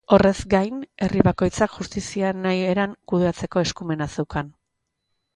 Horrez gain, herri bakoitzak justizia nahi eran kudeatzeko eskumena zeukan.